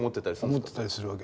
思ってたりするわけ。